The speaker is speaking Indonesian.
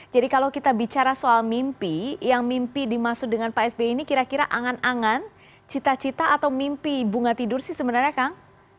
jadi kalau kita bicara soal mimpi yang mimpi dimasukkan dengan pak sbi ini kira kira angan angan cita cita atau mimpi bunga tidur sih sebenarnya kang